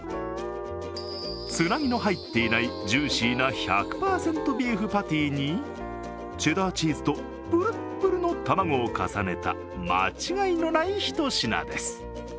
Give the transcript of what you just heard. つなぎの入っていないジューシーな１００％ビーフパティにチェダーチーズと、ぷるっぷるのたまごを重ねた間違いのないひと品です。